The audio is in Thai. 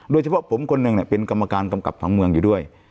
โดยเฉพาะผมคนหนึ่งเป็นกรรมการกำกับผังเมืองอยู่ด้วย